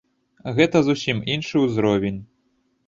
Гэта зусім іншы ўзровень.